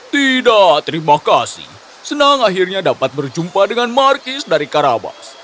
tidak terima kasih senang akhirnya dapat berjumpa dengan markis dari karabas